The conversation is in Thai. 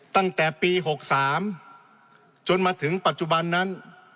ตั้งแต่ปี๖๓จนมาถึงปัจจุบันนั้น